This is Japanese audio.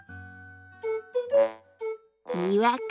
違和感。